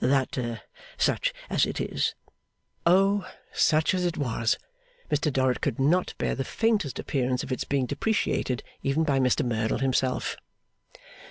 That, such as it is ' Oh! Such as it was! (Mr Dorrit could not bear the faintest appearance of its being depreciated, even by Mr Merdle himself.)